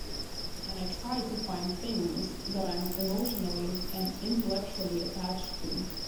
And I try to find things that I'm emotionally and intellectually attached to.